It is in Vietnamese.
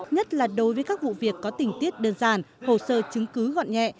nhất là đối với các vụ việc có tình tiết đơn giản hồ sơ chứng cứ gọn nhẹ